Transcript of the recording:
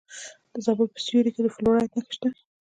د زابل په سیوري کې د فلورایټ نښې شته.